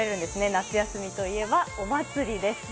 夏休みといえばお祭りです。